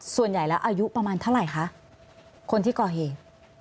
ส่วนใหญ่แล้วอายุประมาณเท่าไหร่คะคนที่ก่อเหตุ